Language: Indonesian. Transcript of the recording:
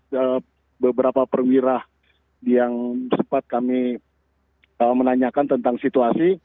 dan beberapa perwira yang sempat kami menanyakan tentang situasi